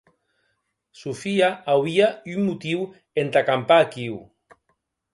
Sofia auie un motiu entà campar aquiu.